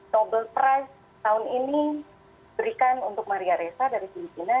nobel prize tahun ini diberikan untuk maria reza dari cina